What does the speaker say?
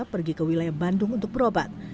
pergi ke wilayah bandung untuk berobat